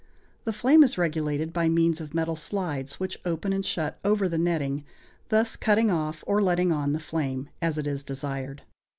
The flame is regulated by means of metal slides, which open and shut over the netting, thus cutting off or letting on the flame, as it is desired.